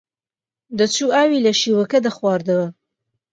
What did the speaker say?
دەچوو ئاوی لە شیوەکە دەخواردەوە